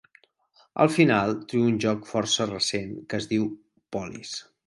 Al final, trio un joc força recent que es diu Polis.